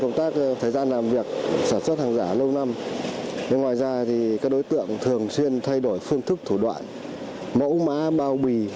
ngoài ra các đối tượng thường xuyên thay đổi phương thức thủ đoạn mẫu má bao bì